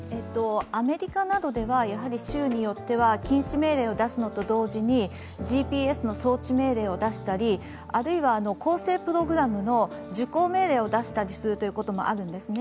アメリカなどでは州によっては禁止命令を出すのと同時にＧＰＳの装置命令を出したりあるいは更生プログラムの受講命令を出したりすることもあるんですね。